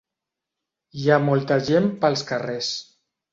Hi ha molta gent pels carrers.